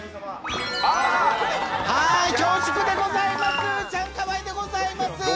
恐縮でございます、チャンカワイでございます。